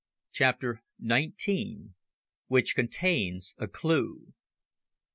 CHAPTER NINETEEN. WHICH CONTAINS A CLUE.